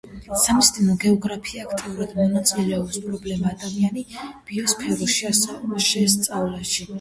სამედიცინო გეოგრაფია აქტიურად მონაწილეობს პრობლემის „ადამიანი და ბიოსფერო“ შესწავლაში.